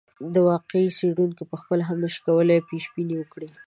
واقعي څېړونکی پخپله هم نه شي کولای پیشبیني وکړي.